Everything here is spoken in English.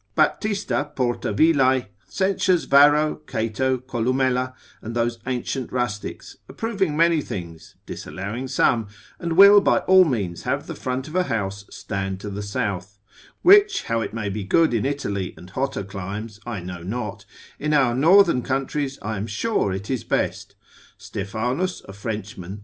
Baptista, Porta Villae, lib. 1. cap. 22. censures Varro, Cato, Columella, and those ancient rustics, approving many things, disallowing some, and will by all means have the front of a house stand to the south, which how it may be good in Italy and hotter climes, I know not, in our northern countries I am sure it is best: Stephanus, a Frenchman, praedio rustic. lib. 1. cap. 4.